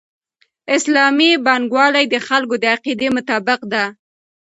اسلامي بانکوالي د خلکو د عقیدې مطابق ده.